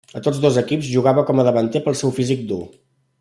A tots dos equips, jugava com a davanter pel seu físic dur.